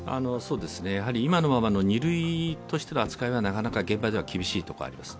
今のままの２類としての扱いはなかなか現場では厳しいところがあります。